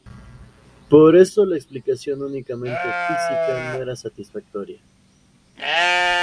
Por eso la explicación únicamente física no era satisfactoria.